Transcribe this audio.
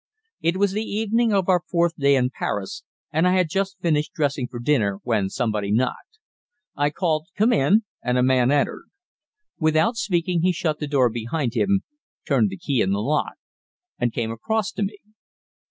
It was the evening of our fourth day in Paris, and I had just finished dressing for dinner, when somebody knocked. I called "Come in," and a man entered. Without speaking he shut the door behind him, turned the key in the lock, and came across to me.